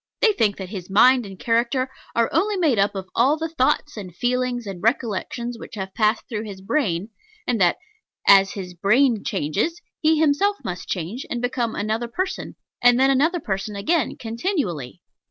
They think that his mind and character are only made up of all the thoughts, and feelings, and recollections which have passed through his brain; and that as his brain changes, he himself must change, and become another person, and then another person again, continually.